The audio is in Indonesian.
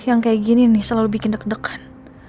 yang kayak gini nih selalu bikin deg degan